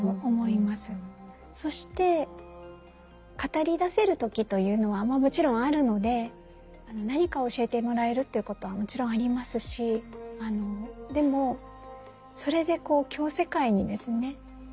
そして語りだせる時というのはもちろんあるので何かを教えてもらえるということはもちろんありますしでもそれで共世界にですね